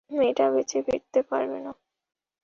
মেয়েটা বেঁচে ফিরতে পারবে না।